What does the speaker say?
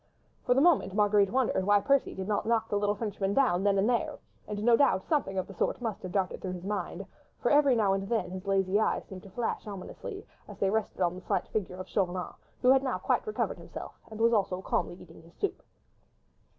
For the moment Marguerite wondered why Percy did not knock the little Frenchman down then and there—and no doubt something of the sort must have darted through his mind, for every now and then his lazy eyes seemed to flash ominously, as they rested on the slight figure of Chauvelin, who had now quite recovered himself and was also calmly eating his soup.